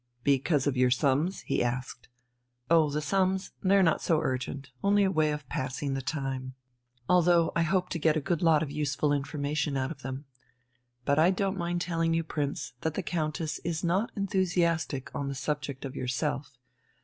"Because of your sums?" he asked. "Oh, the sums? They're not so urgent, only a way of passing the time although I hope to get a good lot of useful information out of them. But I don't mind telling you, Prince, that the Countess is not enthusiastic on the subject of yourself.